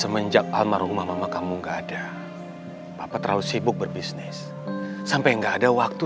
papa selama ini kurang perhatian sama kamu